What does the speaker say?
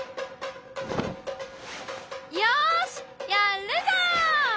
よしやっるぞ！